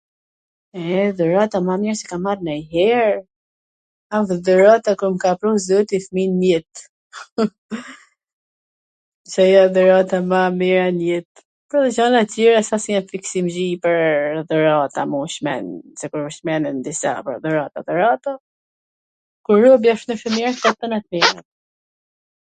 E, dhurata ma e mirw qw kam marrw nonjher? Dhurata kur m ka pru zoti fmij n jet. Hee, se ajo a dhurata ma e mira n jet, ka dhe gjana tjera sa ... pwr dhurata mo m u Cmen, sikur Cmenden disa pwr dhurata, dhurata, kur robi asht i mir,..